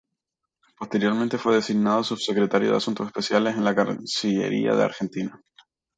Posteriormente fue designado Subsecretario de Asuntos Especiales de la Cancillería Argentina.